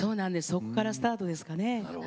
そこからスタートですね。